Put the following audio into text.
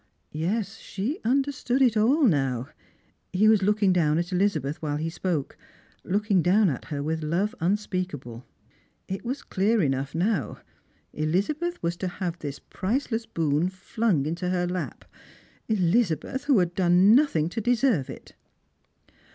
Yes, she understood it all now. He was looking down at Elizabeth while he spoke — looking down at her with love unspeakable. It was clear enough now. Ehzabeth was to have this priceless boon flung into her lap Elizabeth, who had done nothing to deserve it.